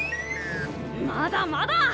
まだまだ！